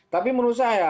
tapi menurut saya memang ya